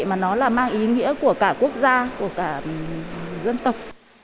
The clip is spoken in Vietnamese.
mà nó là mang ý nghĩa của cả quốc gia của cả dân tộc